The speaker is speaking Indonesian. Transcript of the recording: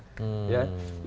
ada bom selesai sudah